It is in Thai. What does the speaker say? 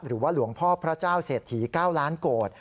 หรือว่าหลวงพ่อพระเจ้าเศรษฐี๙ล้านโกรธ